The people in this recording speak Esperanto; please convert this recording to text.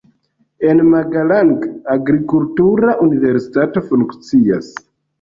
En Magalang agrikultura universitato funkcias.